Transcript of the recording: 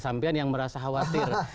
sampai yang merasa khawatir